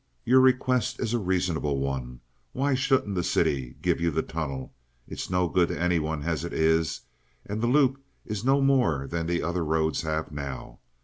Your request is a reasonable one. Why shouldn't the city give you the tunnel? It's no good to anyone as it is. And the loop is no more than the other roads have now.